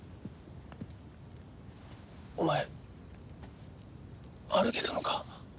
お前歩けたのか？